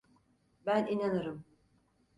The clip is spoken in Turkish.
Ben inanırım.